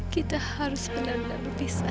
kita harus benar benar berpisah